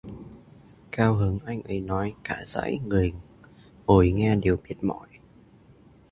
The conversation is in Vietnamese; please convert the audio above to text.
Cao hứng anh ấy nói cả dãy, người ngồi nghe đều mệt mỏi